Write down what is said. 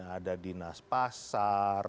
ada dinas pasar